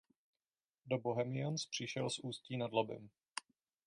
Do Bohemians přišel z Ústí nad Labem.